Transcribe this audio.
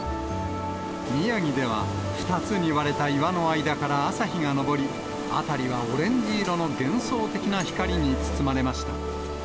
宮城では、２つに割れた岩の間から朝日が昇り、辺りはオレンジ色の幻想的な光に包まれました。